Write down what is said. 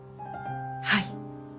はい。